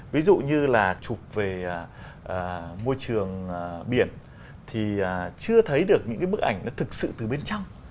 ví dụ như là chụp về môi trường biển thì chưa thấy được những cái bức ảnh nó thực sự từ bên trong